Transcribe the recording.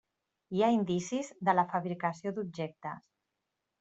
Hi ha indicis de la fabricació d'objectes.